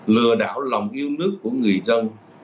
lừa đảo lòng yêu nước của người dân